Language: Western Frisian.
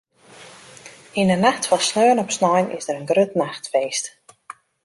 Yn 'e nacht fan sneon op snein is der in grut nachtfeest.